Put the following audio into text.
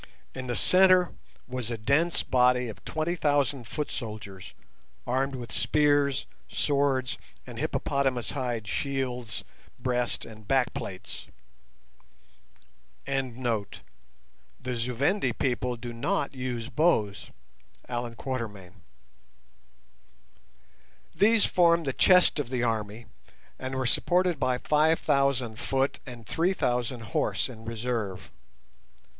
In the centre was a dense body of twenty thousand foot soldiers, armed with spears, swords, and hippopotamus hide shields, breast and back plates. These formed the chest of the army, and were supported by five thousand foot, and three thousand horse in reserve.